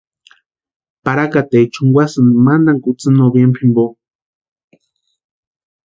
Parakateecha junkwasínti mantani kutsï noviembre jimpo.